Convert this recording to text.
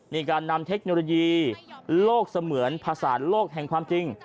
มีการนำเทคโนโลยีโลกเสมือนภาษาโลกแห่งความจริง